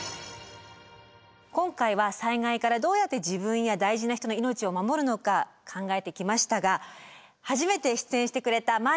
今回は災害からどうやって自分や大事な人の命を守るのか考えてきましたが初めて出演してくれたまー